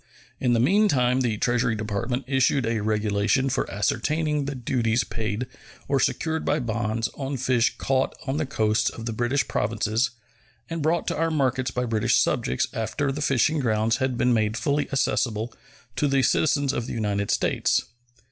In the meantime the Treasury Department issued a regulation for ascertaining the duties paid or secured by bonds on fish caught on the coasts of the British Provinces and brought to our markets by British subjects after the fishing grounds had been made fully accessible to the citizens of the United States.